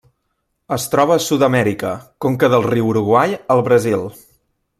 Es troba a Sud-amèrica: conca del riu Uruguai al Brasil.